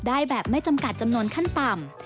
ได้แบบไม่จำกัดจำนวนขั้นต่ำ